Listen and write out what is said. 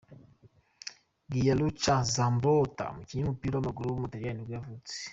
Gianluca Zambrotta, umukinnyi w’umupira w’amaguru w’umutaliyani nibwo yavutse.